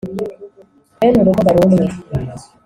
bene urugo bari umwe